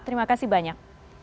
terima kasih banyak